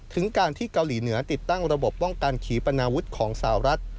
ถึงการที่เกาหลีเหนือติดตั้งระบบป้องกันขีปนาวุฒิของสาวรัฐ